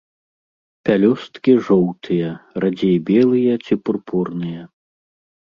Пялёсткі жоўтыя, радзей белыя ці пурпурныя.